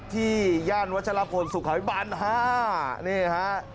ที่ย่านวัชละพรสุขวิบัน๕นี่ครับ